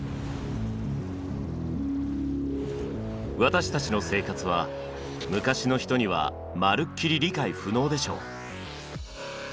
私たちの生活は昔の人にはまるっきり理解不能でしょう。